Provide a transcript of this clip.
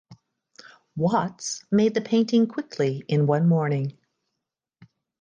Watts made the painting quickly in one morning.